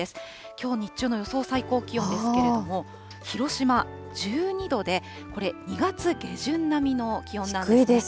きょう日中の予想最高気温ですけれども、広島１２度で、これ、２月下旬並みの気温なんです。